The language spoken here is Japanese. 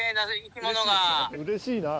うれしいな。